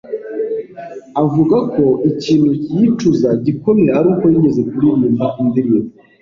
avuga ko ikintu yicuza gikomeye aruko yigeze kuririmba indirimbo